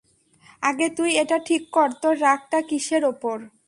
আগে তুই এটা ঠিক কর তোর রাগটা কীসের ওপর?